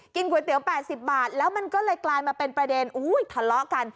ก๋วยเตี๋ย๘๐บาทแล้วมันก็เลยกลายมาเป็นประเด็นทะเลาะกัน